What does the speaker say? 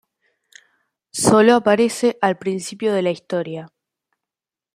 Solo aparece al principio de la historia.